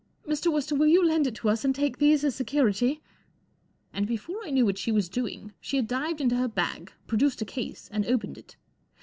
Mr. Wooster, will you lend it to us, and take these as security ?" And, before I knew what she was doing, she had dived into her bag, produced a case, and opened it.